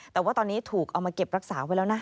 แต่ว่าตอนนี้ถูกเอามาเก็บรักษาไว้แล้วนะ